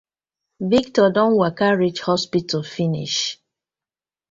Victor don waka reach hospital finish.